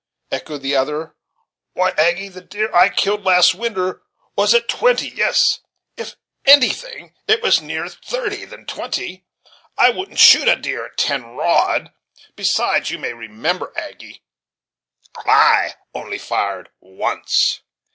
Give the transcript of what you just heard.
echoed the other; "way, Aggy, the deer I killed last winter 'was at twenty yes! if anything it was nearer thirty than twenty. I wouldn't shoot at a deer at ten rod: besides, you may remember, Aggy, I only fired once."